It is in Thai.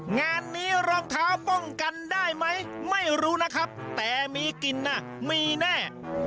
งานนี้รองเท้าป้องกันได้ไหมไม่รู้นะครับแต่มีกินน่ะมีแน่